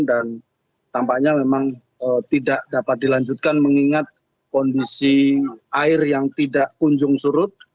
dan tampaknya memang tidak dapat dilanjutkan mengingat kondisi air yang tidak kunjung surut